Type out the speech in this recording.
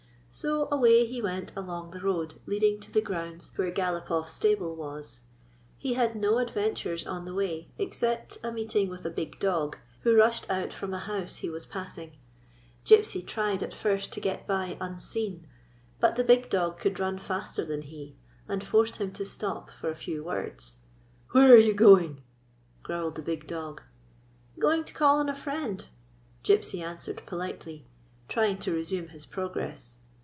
So away he went along the road leading to the grounds where Galopoff's 109 GYPSY, THE TALKING DOG stable was. He bad no adventures on tlie way except a meeting with a big dog, who rushed out from a house he was passing. Gypsy tried at first to get by unseen ; but the big dog could run faster than he, and forced him to stop for a few words. " Where are you going ?" growled the big dog. " Going to call on a friend," Gypsy answered politely, trying to resume his progress.